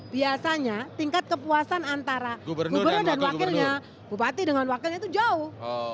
biasanya tingkat kepuasan antara gubernur dan wakilnya bupati dengan wakilnya itu jauh